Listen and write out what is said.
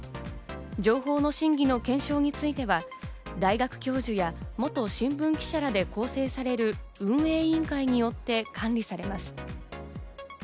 情報の真偽の検証については大学教授や元新聞記者らで構成される運営委員会によって管理されます。